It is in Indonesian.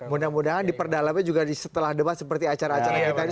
mudah mudahan diperdalamnya juga setelah debat seperti acara acara kita ini